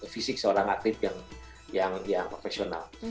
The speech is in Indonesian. fisik seorang atlet yang profesional